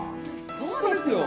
そうですよ！